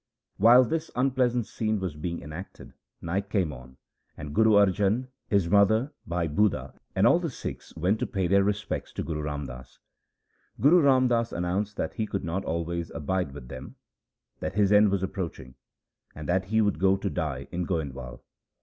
While this unpleasant scene was being enacted, night came on, and Guru Arjan, his mother, Bhai Budha, and all the Sikhs went to pay their respects to Guru Ram Das. Guru Ram Das announced that he could not always abide with them, that his end was approaching, and that he would go to die in Goindwal.